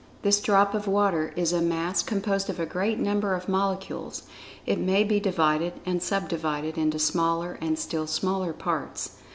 This drop of water is a Mass composed of a great number of molecules. It may be divided, and sub divided, into smaller and still smaller parts.